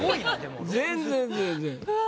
全然全然。